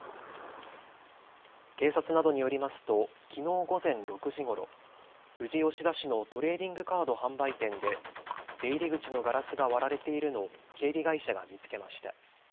警察などによりますときのう午前６時ごろ、富士吉田市のトレーディングカード販売店で出入り口のガラスが割られているのを警備会社が見つけました。